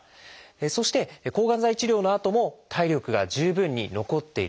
そして抗がん剤治療のあとも体力が十分に残っている。